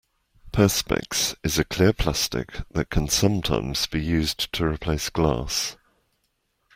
Perspex is a clear plastic that can sometimes be used to replace glass